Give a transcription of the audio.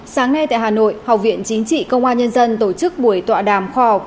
sáng nay tại hà nội học viện chính trị công an nhân dân tổ chức buổi tọa đàm khoa học